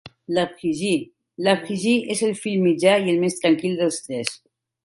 Laphiji - Laphiji es el fill mitjà i el més tranquil dels tres.